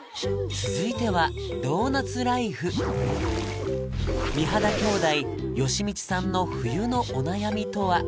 続いては美肌姉弟よしミチさんの冬のお悩みとは？